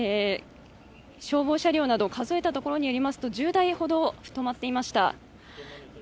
消防車両など、数えたところによりますと１０台ほど止まっていました。